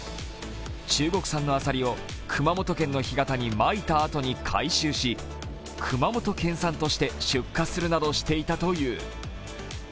中国産のあさりを熊本県の干潟にまいたあとに回収し熊本県産として出荷するなどしていたという。